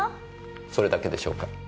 それだけでしょうか？